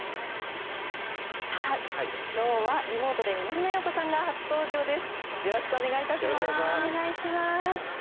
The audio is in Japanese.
さあ、きょうはリモートで南野陽子さんが初登場です。